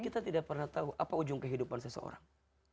kita tidak pernah tahu apa ujung kehidupan seseorang